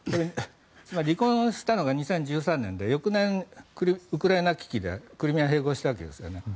つまり離婚したのが２０１３年で翌年、ウクライナ危機でクリミアを併合したわけですよね。